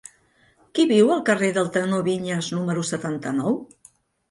Qui viu al carrer del Tenor Viñas número setanta-nou?